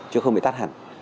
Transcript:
chứ không bị tắt hẳn